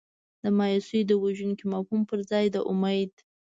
د مایوسۍ د وژونکي مفهوم پر ځای د امید.